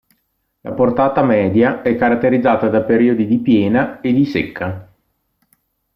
La portata media è caratterizzata da periodi di piena e di secca.